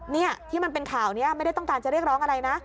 นี่ที่มันเป็นข่าวนี้ไม่ได้ต้องการจะเรียกร้องอะไรนะ